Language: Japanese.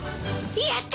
やった！